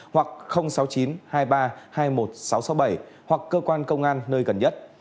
hoặc sáu mươi chín hai nghìn ba trăm hai mươi một sáu trăm sáu mươi bảy hoặc cơ quan công an nơi gần nhất